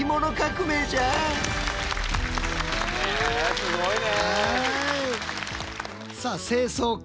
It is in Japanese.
すごいね。